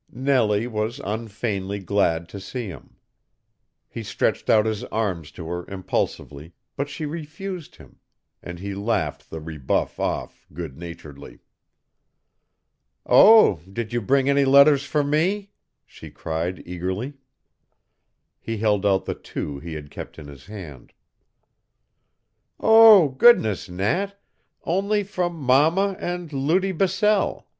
Nellie was unfeignedly glad to see him. He stretched out his arms to her impulsively, but she refused him, and he laughed the rebuff off good naturedly. "Oh, did you bring any letters for me?" she cried eagerly. He held out the two he had kept in his hand. "Oh, goodness, Nat only from mama and Lutie Bissell.